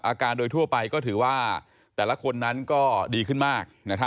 อาการโดยทั่วไปก็ถือว่าแต่ละคนนั้นก็ดีขึ้นมาก